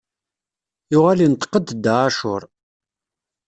Yuɣal inṭeq-d Dda ɛacur.